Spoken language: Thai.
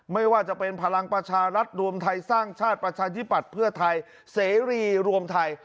ไม่ว่าจะเป็นพลังประชารัฐรวมไทยสร้างชาติประชาธิปัตย์เพื่อไทยเสรีรวมไทย